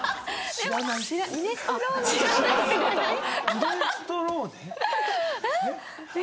ミネストローネ？